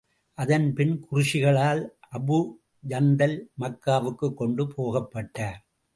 அதன் பின் குறைஷிகளால் அபூ ஜந்தல் மக்காவுக்குக் கொண்டு போகப்பட்டார்.